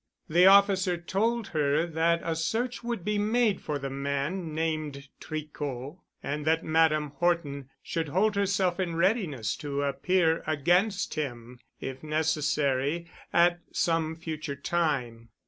The officer told her that a search would be made for the man named Tricot and that Madame Horton should hold herself in readiness to appear against him, if necessary, at some future time.